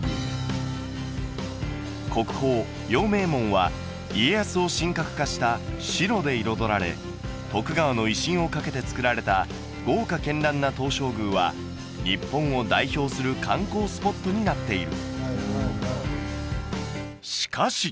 国宝陽明門は家康を神格化した白で彩られ徳川の威信をかけて造られた豪華絢爛な東照宮は日本を代表する観光スポットになっているしかし！